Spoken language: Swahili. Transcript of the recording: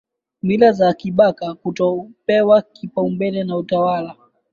mila za Kabaka Kutopewa kipaumbele na utawala